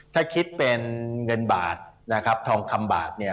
ถ้าคิดเป็นเงินบาทนะครับทองคำบาทเนี่ย